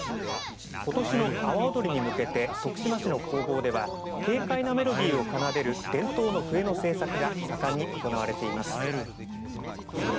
ことしの阿波おどりに向けて徳島市の工房では軽快なメロディーを奏でる伝統の笛の製作が盛んに行われています。